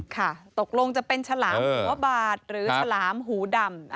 ค่ะตกลงจะเป็นฉลามหัวบาดหรือฉลามหูดำ